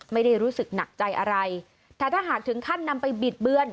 ไม่ได้รู้สึกหนักใจอะไรแต่ถ้าหากถึงขั้นนำไปบิดเบือน